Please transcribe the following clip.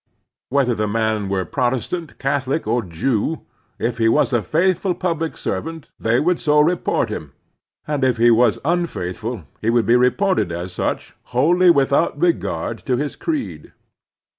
Whether the man were Protestant, Catholic, or Jew, if he was a faithftil public ser vant they would so report him; and if he was unfaithftU he would be reported as such wholly without regard to his creed.